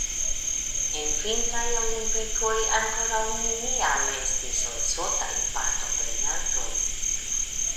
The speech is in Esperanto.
En vintraj olimpikoj ankoraŭ neniam estis Lesotaj partoprenantoj.